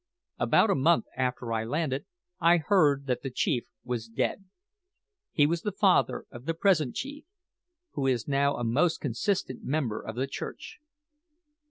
"About a month after I landed, I heard that the chief was dead. He was the father of the present chief, who is now a most consistent member of the Church.